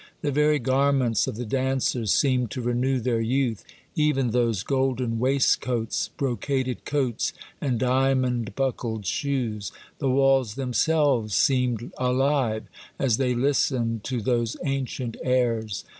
The very garments of the dancers seemed to renew their youth, even those golden waistcoats, brocaded coats, and diamond buckled shoes ; the walls themselves seemed alive as they listened to those ancient airs.